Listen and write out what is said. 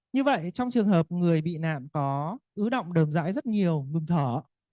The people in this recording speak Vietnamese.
như vậy trong trường hợp người bị nạn có ưu động đờm dãi rất nhiều ngừng thở